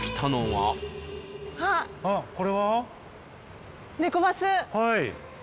はい。